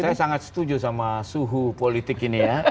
saya sangat setuju sama suhu politik ini ya